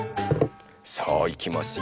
さあいきますよ。